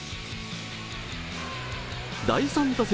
第３打席